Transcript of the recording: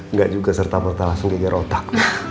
nggak juga serta merta langsung dikejar otak